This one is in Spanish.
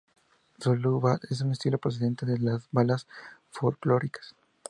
El luc-bát es un estilo procedente de las baladas folclóricas.